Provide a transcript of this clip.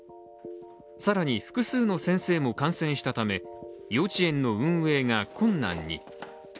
更に複数の先生も感染したため幼稚園の運営が困難に。